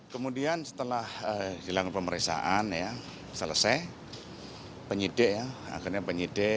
kemudian setelah dilanggar pemeriksaan selesai penyidik akhirnya penyidik